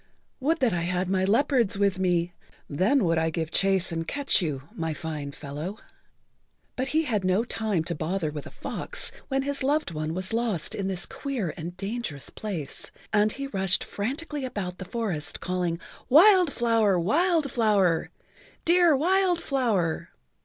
"Would that I had my leopards with me. Then[Pg 42] would I give chase and catch you, my fine fellow." But he had no time to bother with a fox when his loved one was lost in this queer and dangerous place, and he rushed frantically about the forest calling, "Wild Flower! Wild Flower! Dear Wild Flower!"